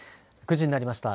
９時になりました。